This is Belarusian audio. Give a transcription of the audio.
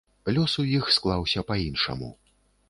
Лёс у іх склаўся па-іншаму.